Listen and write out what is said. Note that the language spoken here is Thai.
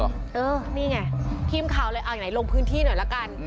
เออนี่ไงพิมพ์ขาวเลยเอาอย่างไหนลงพื้นที่หน่อยละกัน